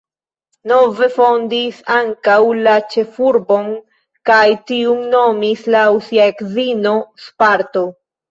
Nove fondis ankaŭ la ĉefurbon kaj tiun nomis laŭ sia edzino Sparto.